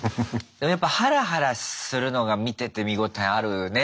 でもやっぱハラハラするのが見てて見応えあるね